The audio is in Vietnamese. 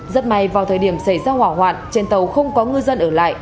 rất may vào thời điểm xảy ra hỏa hoạn trên tàu không có ngư dân ở lại